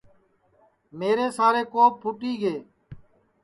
میرے سارے کوپ پھوٹی گے